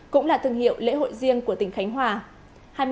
cũng là thương hiệu lễ hội riêng của tỉnh khánh hòa